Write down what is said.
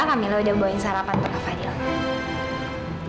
kak mila udah bawain sarapan untuk kak fadil